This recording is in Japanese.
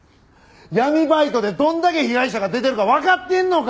闇バイトでどんだけ被害者が出てるかわかってんのか！